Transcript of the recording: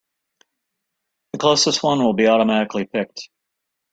The closest one will be automatically picked.